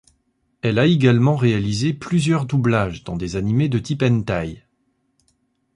Elle a également réalisé plusieurs doublages dans des anime de type Hentai.